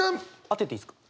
当てていいっすか？